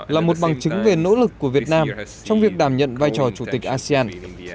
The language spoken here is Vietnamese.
là một bằng chứng về nỗ lực của việt nam trong việc đảm nhận vai trò chủ tịch asean